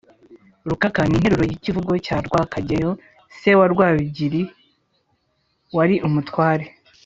rukaka: ni interuro y’ikivugo cya rwakageyo se wa rwabigwi wari umutware